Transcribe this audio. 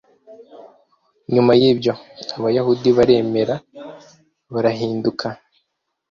nyuma y ibyo abayahudi baremera barahinduka.